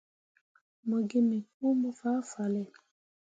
Mo gi me kuumo fah fale.